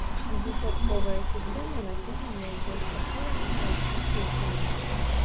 Дзесятковая сістэма на сёння найбольш пашыраная ва ўсім свеце.